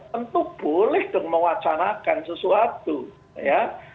tentu boleh dong mewacanakan sesuatu ya